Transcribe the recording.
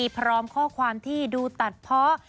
พร้อมข้อความที่ดูตัดเพาะ